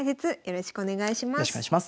よろしくお願いします。